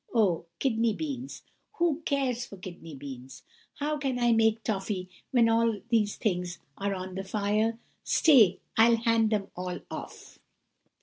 Oh, kidney beans! Who cares for kidney beans? How can I make toffey, when all these things are on the fire? Stay, I'll hand them all off!